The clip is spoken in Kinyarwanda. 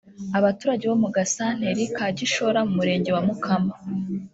Abaturage bo mu gasanteri ka Gishoro mu murenge wa Mukama